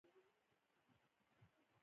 د نړۍ په اړه د دوی لید لوری ډېر محدود شو.